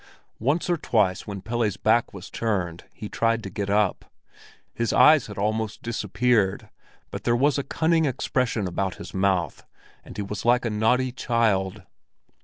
Once or twice when Pelle's back was turned, he tried to get up; his eyes had almost disappeared, but there was a cunning expression about his mouth, and he was like a naughty child.